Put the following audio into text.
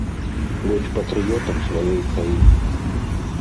Будзь патрыётам сваёй краіны!